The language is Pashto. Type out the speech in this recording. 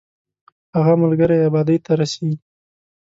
هغه ملګری یې ابادۍ ته رسېږي.